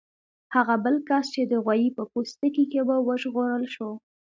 هغه بل کس چې د غوايي په پوستکي کې و وژغورل شو.